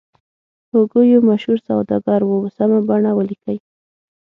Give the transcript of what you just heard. هوګو یو مشهور سوداګر و سمه بڼه ولیکئ.